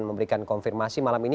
memberikan konfirmasi malam ini